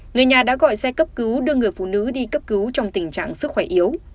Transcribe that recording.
người nhà đã gọi xe cấp cứu đưa người phụ nữ đi cấp cứu trong tình trạng sức khỏe yếu